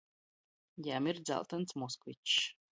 Jam ir dzaltons ‘Moskvičs’.